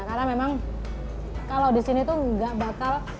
karena memang kalau di sini tuh nggak bakal